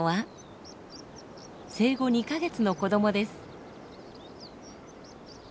生後２か月の子どもです。